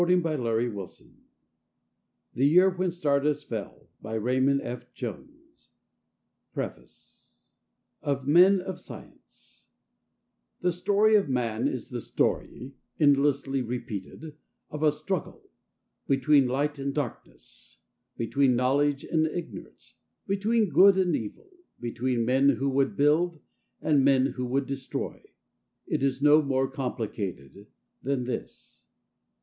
Witchcraft 19. Conquest of the Comet 20. Reconstruction About the Author Of Men of Science The story of man is the story endlessly repeated of a struggle: between light and darkness, between knowledge and ignorance, between good and evil, between men who would build and men who would destroy. It is no more complicated than this.